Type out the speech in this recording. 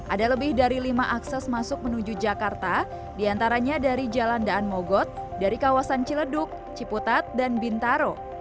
ada lebih dari lima akses masuk menuju jakarta diantaranya dari jalan daan mogot dari kawasan ciledug ciputat dan bintaro